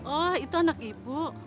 oh itu anak ibu